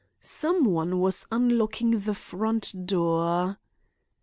Some one was unlocking the front door.